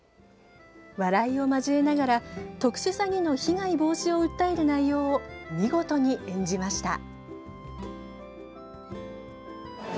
笑いを交えながら特殊詐欺被害防止を訴える内容を見事に演じました。